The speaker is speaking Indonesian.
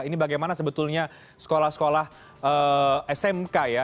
ini bagaimana sebetulnya sekolah sekolah smk ya